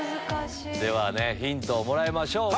ではヒントをもらいましょう。